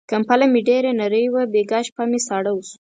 کمپله مې ډېره نری وه، بيګاه شپه مې ساړه وشو.